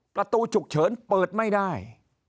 ประตูฉุกเฉินเปิดไม่ได้